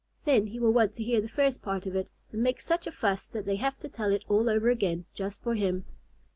Then he will want to hear the first part of it, and make such a fuss that they have to tell it all over again just for him.